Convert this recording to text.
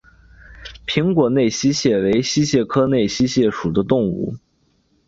平果内溪蟹为溪蟹科内溪蟹属的动物。